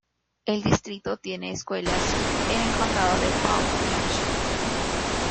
El distrito tiene escuelas en el Condado de Palm Beach.